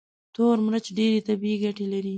تور مرچ ډېرې طبي ګټې لري.